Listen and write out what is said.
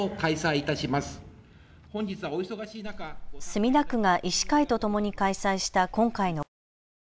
墨田区が医師会とともに開催した今回の会議。